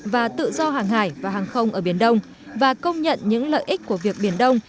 và tự do hàng hải và hàng không ở biển đông và công nhận những lợi ích của việc biển đông